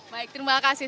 baik terima kasih